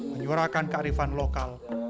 menyuarakan kearifan lokal